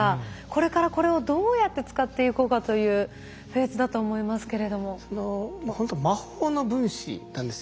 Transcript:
これからこれをどうやって使っていこうかというフェーズだと思いますけれども。